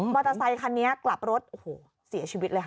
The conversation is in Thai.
ม็อเตอร์ไซค์คันนี้กลับรถเสียชีวิตเลยค่ะ